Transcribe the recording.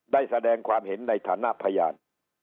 ได้แสดงความเห็นในฐานะพยาน